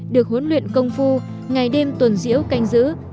được huấn luyện công phu ngày đêm tuần diễu